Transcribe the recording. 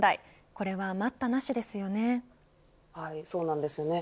これは待ったなしですよね。